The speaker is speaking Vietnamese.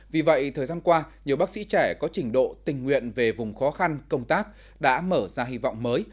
vì vậy thời gian qua nhiều bác sĩ trẻ có trình độ tình nguyện về vùng khó khăn công tác đã mở ra hy vọng mới